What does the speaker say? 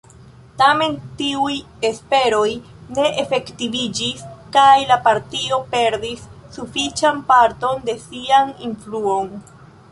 Tamen tiuj esperoj ne efektiviĝis kaj la partio perdis sufiĉan parton de sian influon.